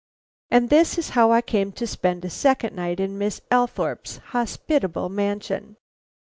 And this is how I came to spend a second night in Miss Althorpe's hospitable mansion.